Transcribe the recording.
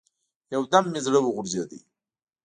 يو دم مې زړه وغورځېد.